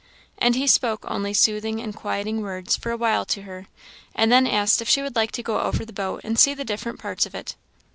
And he spoke only soothing and quieting words for a while to her; and then asked if she would like to go over the boat and see the different parts of it.